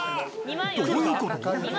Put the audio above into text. どういうこと？